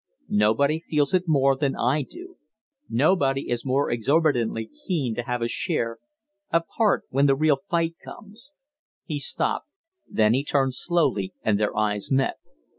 Nobody feels it more than I do nobody is more exorbitantly keen to have a share a part, when the real fight comes " He stopped; then he turned slowly and their eyes met.